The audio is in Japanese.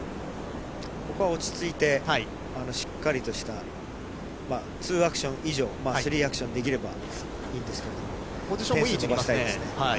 ここは落ち着いて、しっかりとした２アクション以上、３アクションできればいいんですけど。ポジションもいい位置にいますね。